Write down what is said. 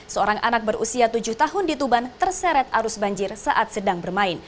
seorang anak berusia tujuh tahun di tuban terseret arus banjir saat sedang bermain